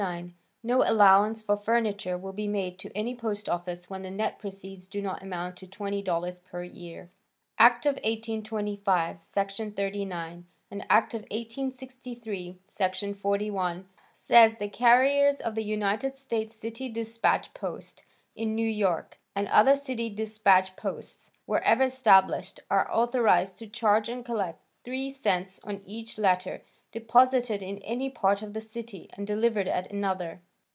"No allowance for furniture will be made to any post office when the net proceeds do not amount to $20 per year." Act of 1825, Section 39, and Act of 1863, Section 41, says the carriers of the "United States City Dispatch Post" in New York, and other city dispatch posts, wherever established, are authorized to charge and collect 3 cents on each letter deposited in any part of the city, and delivered at another.